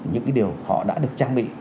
những cái điều họ đã được trang bị